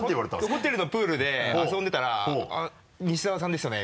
ホテルのプールで遊んでたら「西澤さんですよね？」